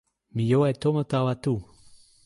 mi jo e tomo tawa tu.